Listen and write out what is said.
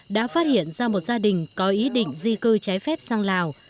đã phát hiện ra một gia đình có ý định di cư trái phép sang lào